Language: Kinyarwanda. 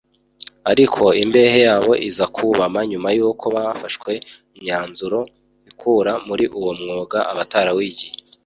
ariko imbehe yabo iza kubama nyuma y’uko hafashwe imyanzuro ikura muri uwo mwuga abatarawigiye